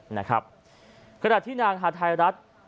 ขณะที่นางฮาไทยรัฐ